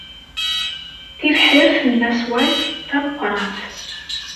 Tibḥirt n Mass White d tameqrant.